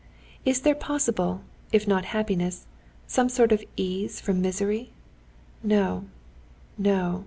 Is there possible, if not happiness, some sort of ease from misery? No, no!"